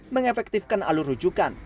mengefektifkan alur rujukan